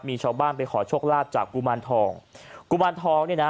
มีชาวบ้านไปขอโชคลาภจากกุมารทองกุมารทองเนี่ยนะ